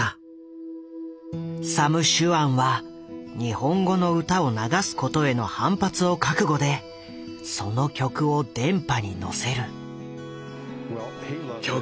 サム・シュアンは日本語の歌を流すことへの反発を覚悟でその曲を電波にのせる。